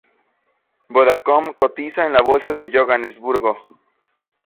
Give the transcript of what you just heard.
Vodacom cotiza en la bolsa de Johannesburgo.